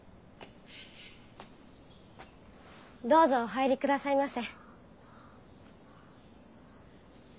どうぞお入りくださいませ。